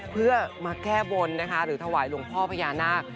เพื่อมาแก้บนนะคะหรือถวายหลวงพ่อพญานาค